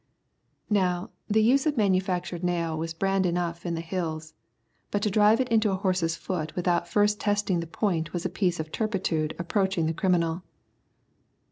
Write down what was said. Now, to use the manufactured nail was brand enough in the Hills. But to drive it into a horse's foot without first testing the point was a piece of turpitude approaching the criminal.